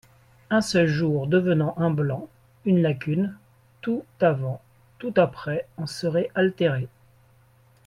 Un seul jour devenant un blanc, une lacune, tout avant, tout après en serait altéré.